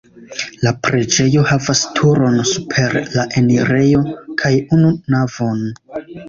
La preĝejo havas turon super la enirejo kaj unu navon.